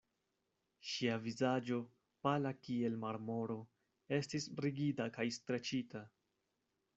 Ŝia vizaĝo, pala kiel marmoro, estis rigida kaj streĉita.